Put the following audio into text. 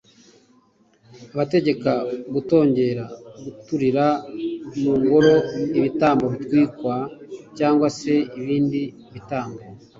abategeka kutongera guturira mu ngoro ibitambo bitwikwa cyangwa se ibindi bitambo